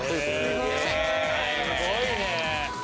すごいね。